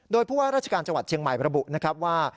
โดยพวกราชการจังหวัดเชียงใหม่พระบุว่า